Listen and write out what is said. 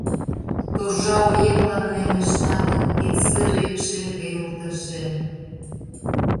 Торжа оемлан нелеш налын, Ит сыре, шерге йолташем.